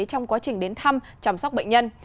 trong quá trình đến thăm chăm sóc bệnh nhân